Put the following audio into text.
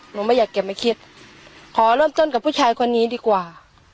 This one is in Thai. ไม่อยากเก็บไม่คิดขอเริ่มต้นกับผู้ชายคนนี้ดีกว่า